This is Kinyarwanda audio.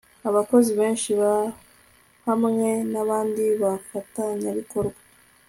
abakozi benshi ba hamwe n abandi bafatanyabikorwa